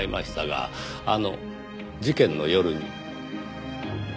あの事件の夜に。